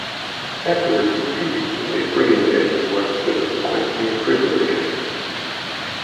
Afterwards he too became a brigand and was subsequently imprisoned again.